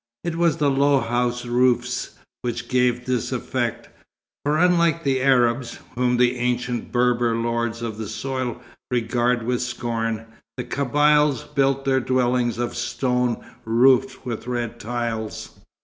It was the low house roofs which gave this effect, for unlike the Arabs, whom the ancient Berber lords of the soil regard with scorn, the Kabyles build their dwellings of stone, roofed with red tiles.